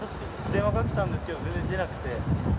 電話をかけたんですけど、全然出なくて。